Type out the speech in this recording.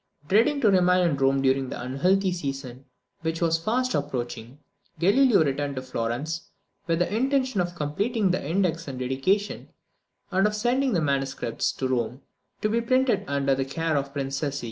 Dreading to remain in Rome during the unhealthy season, which was fast approaching, Galileo returned to Florence, with the intention of completing the index and dedication, and of sending the MS. to Rome, to be printed under the care of Prince Cesi.